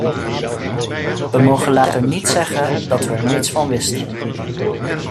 We mogen later niet zeggen dat we er niets van wisten.